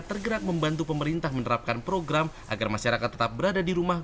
tergerak membantu pemerintah menerapkan program agar masyarakat tetap berada di rumah